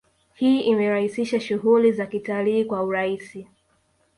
Hii imerahisisha shughuli za kitalii kwa urahisi